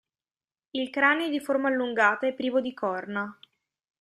Il cranio è di forma allungata e privo di corna.